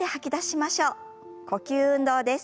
呼吸運動です。